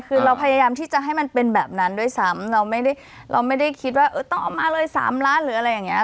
คือเราพยายามที่จะให้มันเป็นแบบนั้นด้วยซ้ำเราไม่ได้เราไม่ได้คิดว่าต้องเอามาเลย๓ล้านหรืออะไรอย่างเงี้